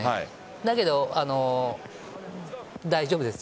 だけど大丈夫です。